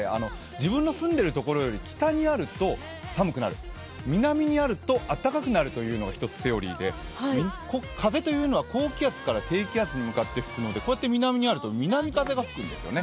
自分の住んでいるところより北にあると寒くなる、南にあるとあったかくなるというのが一つセオリーで、風というのは高気圧から低気圧に向かって、こうやって南にあると南風が吹くんですよね。